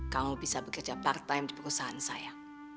kamu bisa bekerja part time di perusahaan saya